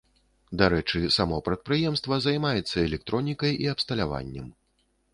Дарэчы, само прадпрыемства займаецца электронікай і абсталяваннем.